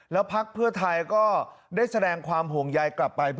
แล้วพักเพื่อไทยก็ได้แสดงความห่วงใยกลับไป